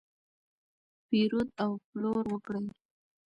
پیرود او پلور وکړئ.